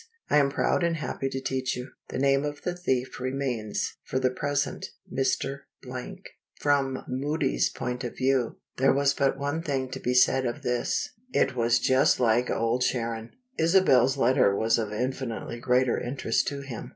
I am proud and happy to teach you. The name of the thief remains, for the present, Mr. (Blank)." From Moody's point of view, there was but one thing to be said of this: it was just like Old Sharon! Isabel's letter was of infinitely greater interest to him.